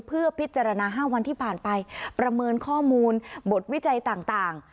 เพื่อพิจารณา๕วันที่ผ่านไปประเมินข้อมูลบทวิจัยต่าง